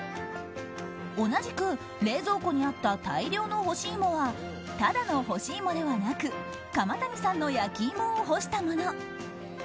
同じく冷蔵庫にあった大量の干し芋はただの干し芋ではなく釜谷さんの焼き芋を干したもの。